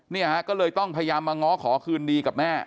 เนี่ยฮะก็เลยต้องพยายามมาง้อขอคืนดีกับแม่